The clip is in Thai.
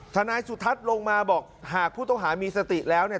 นายสุทัศน์ลงมาบอกหากผู้ต้องหามีสติแล้วเนี่ย